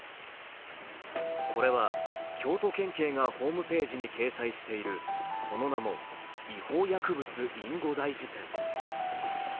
これは、京都府警がホームページに掲載しているその名も、違法薬物隠語大辞典。